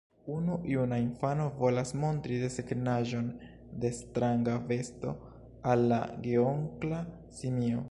Unu juna infano volas montri desegnaĵon de stranga besto al la geonkla simio.